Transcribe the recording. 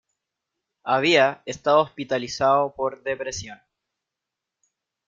Había estado hospitalizado por depresión.